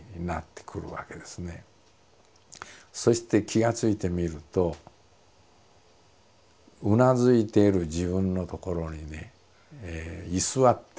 そして気が付いてみるとうなずいている自分のところにね居座っていつの間にかいるわけです。